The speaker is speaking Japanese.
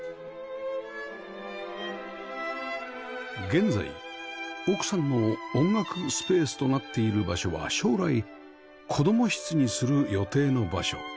現在奥さんの音楽スペースとなっている場所は将来子供室にする予定の場所